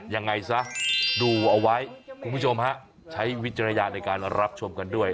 ยังไงซะดูเอาไว้คุณผู้ชมฮะใช้วิจารณญาณในการรับชมกันด้วย